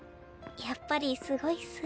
やっぱりすごいっす。